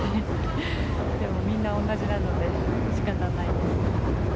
でも、みんな同じなので仕方ないです。